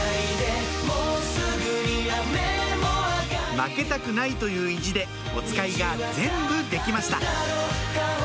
負けたくないという意地でおつかいが全部できました